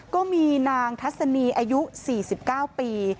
ก็มีนางทัศนีอายุ๔๙ปี